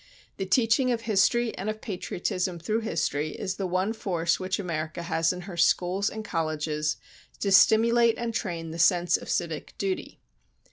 The teaching of history and of patriotism through history is the one force which America has in her schools and colleges to stimulate and train the sense of civic duty.